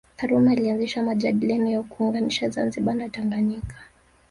Karume alianzisha majadiliano ya kuunganisha Zanzibar na Tanganyika